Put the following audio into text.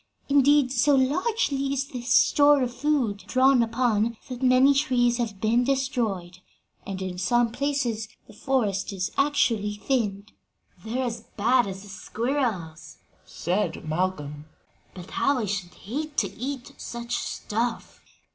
Indeed, so largely is this store of food drawn upon that many trees have been destroyed, and in some places the forest is actually thinned." "They're as bad as the squirrels," said Malcolm. "But how I should hate to eat such stuff!"